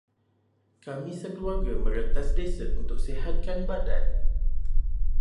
Kami sekeluarga merentas desa untuk sihatkan badan.